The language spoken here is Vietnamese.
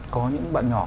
có những bạn nhỏ